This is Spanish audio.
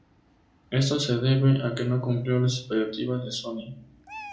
Esto se debe a que no cumplió las expectativas de Sony.